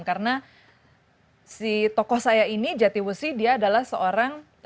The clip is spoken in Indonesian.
karena si tokoh saya ini jati wesi dia adalah seorang